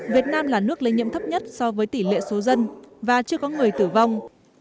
việt nam là nước lây nhiễm thấp nhất so với tỷ lệ số dân và chưa có người tử vong